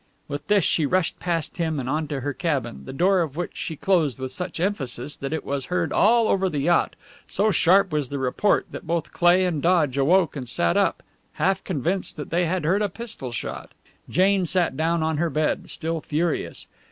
With this she rushed past him and on to her cabin, the door of which she closed with such emphasis that it was heard all over the yacht so sharp was the report that both Cleigh and Dodge awoke and sat up, half convinced that they had heard a pistol shot! Jane sat down on her bed, still furious.